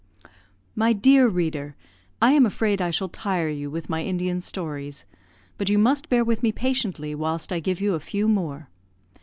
My dear reader, I am afraid I shall tire you with my Indian stories; but you must bear with me patiently whilst I give you a few more.